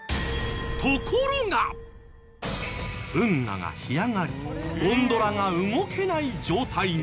運河が干上がりゴンドラが動けない状態に。